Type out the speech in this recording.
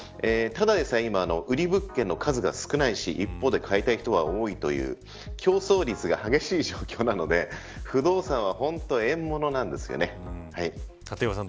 ただでさえ今売り物件の数が少ないし一方で買いたい人は多いという競争率が激しい状況なので不動産は本当に縁ものなんですよね。